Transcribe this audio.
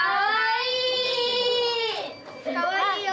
・かわいいよ！